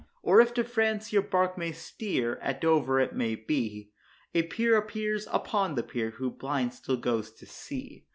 Or, if to France your bark may steer, at Dover it may be, A peer appears upon the pier, who, blind, still goes to sea.